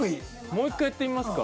もう１回やってみますか？